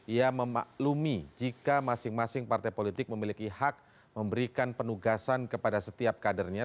ia memaklumi jika masing masing partai politik memiliki hak memberikan penugasan kepada setiap kadernya